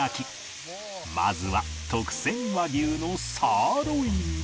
まずは特選和牛のサーロイン